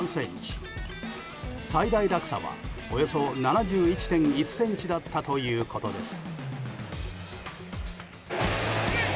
最大落差はおよそ７１．１ｃｍだったということです。